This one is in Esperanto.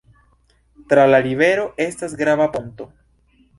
Tra la rivero estas grava ponto.